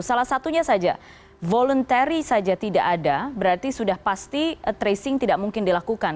salah satunya saja voluntary saja tidak ada berarti sudah pasti tracing tidak mungkin dilakukan